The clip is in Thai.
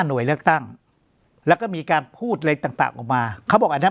หน่วยเลือกตั้งแล้วก็มีการพูดอะไรต่างออกมาเขาบอกอันนั้น